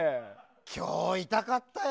今日、痛かったよ。